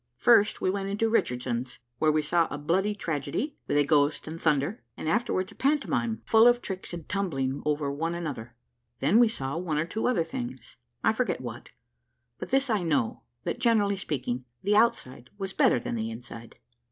First we went into Richardson's, where we saw a bloody tragedy, with a ghost and thunder, and afterwards a pantomime, full of tricks, and tumbling over one another. Then we saw one or two other things, I forget what, but this I know, that, generally speaking, the outside was better than the inside.